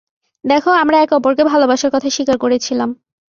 দেখো, আমরা একে অপরকে ভালোবাসার কথা স্বীকার করেছিলাম।